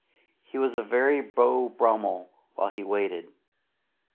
He was a very Beau Brummel while he waited.